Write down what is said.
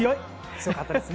強かったですね